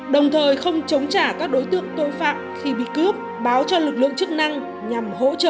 đồng thời không chống trả các đối tượng tội phạm khi bị cướp báo cho lực lượng chức năng nhằm hỗ trợ